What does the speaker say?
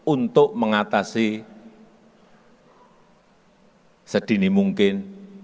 untuk mengatasi sedini mungkin